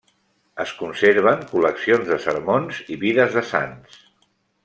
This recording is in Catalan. Es conserven col·leccions de sermons i vides de sants.